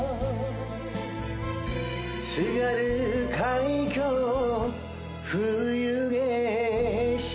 「津軽海峡冬景色」